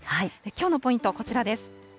きょうのポイント、こちらです。